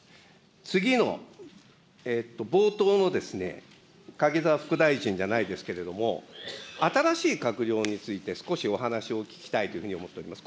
次の冒頭のですね、柿沢副大臣じゃないですけれども、新しい閣僚について、少しお話を聞きたいというふうに思っております。